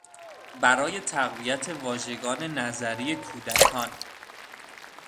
برای تقویت واژگان نظری کودکان